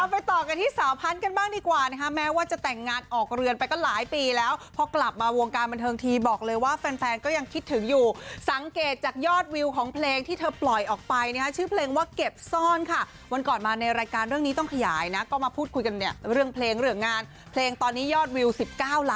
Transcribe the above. ไปต่อกันที่สาวพันธุ์กันบ้างดีกว่านะคะแม้ว่าจะแต่งงานออกเรือนไปก็หลายปีแล้วพอกลับมาวงการบันเทิงทีบอกเลยว่าแฟนแฟนก็ยังคิดถึงอยู่สังเกตจากยอดวิวของเพลงที่เธอปล่อยออกไปนะฮะชื่อเพลงว่าเก็บซ่อนค่ะวันก่อนมาในรายการเรื่องนี้ต้องขยายนะก็มาพูดคุยกันเนี่ยเรื่องเพลงเรื่องงานเพลงตอนนี้ยอดวิว๑๙ล้าน